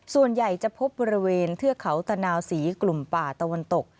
ส่วนใหญ่จะพบบริเวณเทือกเขาตะนาวศรีกลุ่มป่าตะวันตก